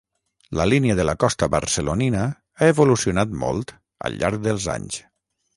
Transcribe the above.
La línia de la costa barcelonina ha evolucionat molt al llarg dels anys.